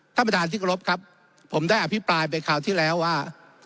ท่านประธานที่กรบครับผมได้อภิปรายไปคราวที่แล้วว่า